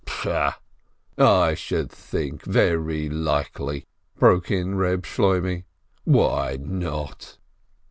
"Psh! I should think, very likely!" broke in Eeb Shloimeh. <fWhy not?"